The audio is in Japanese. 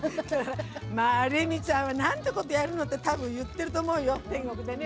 まあレミちゃんはなんてことやるのって多分言ってると思うよ天国でね。